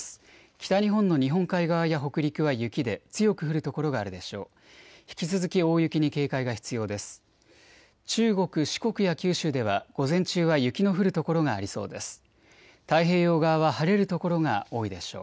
北日本の日本海側や北陸は雪で強く降る所があるでしょう。